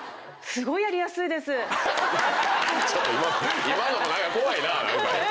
ちょっと今のも何か怖いなぁ。